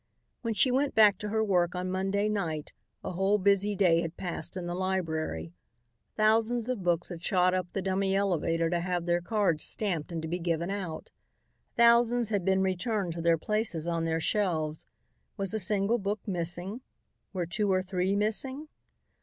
When she went back to her work on Monday night a whole busy day had passed in the library. Thousands of books had shot up the dummy elevator to have their cards stamped and to be given out. Thousands had been returned to their places on their shelves. Was a single book missing? Were two or three missing?